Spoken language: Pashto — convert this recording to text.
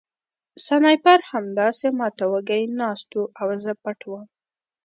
سنایپر همداسې ما ته وږی ناست و او زه پټ وم